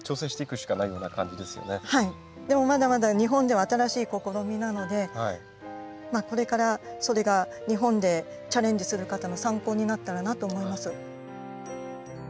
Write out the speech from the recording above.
でもまだまだ日本では新しい試みなのでこれからそれが日本でチャレンジする方の参考になったらなと思います。